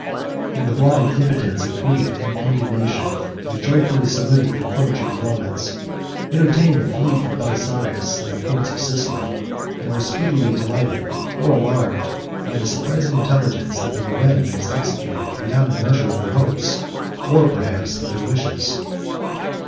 In the blind impotence of grief and indignation, they joyfully saluted the approach of the Romans, entertained the fleet of Belisarius in the ports of Sicily, and were speedily delighted or alarmed by the surprising intelligence, that their revenge was executed beyond the measure of their hopes, or perhaps of their wishes.